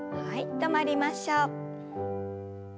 止まりましょう。